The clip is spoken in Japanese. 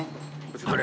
あれ？